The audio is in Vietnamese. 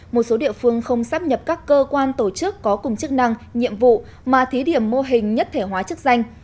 một số địa phương không sắp nhập các cơ quan tổ chức có cùng chức năng nhiệm vụ mà thí điểm mô hình nhất thể hóa chức danh